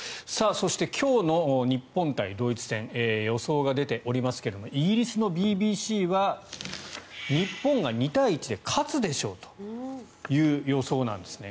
そして今日の日本対ドイツ戦予想が出ておりますがイギリスのＢＢＣは日本が２対１で勝つでしょうという予想なんですね。